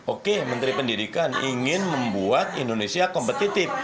oke menteri pendidikan ingin membuat indonesia kompetitif